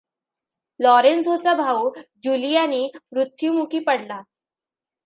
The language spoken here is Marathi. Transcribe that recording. लॉरेन्झोचा भाउ ज्युलियानी मृत्युमुखी पडला.